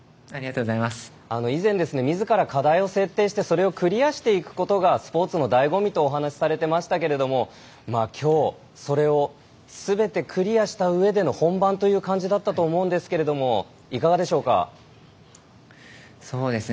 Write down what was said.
以前みずからから課題を設定してそれをクリアしていくことがスポーツのだいご味とお話しされてましたけどもきょう、それをすべてクリアした上での本番という感じだったと思うんですけれどもそうですね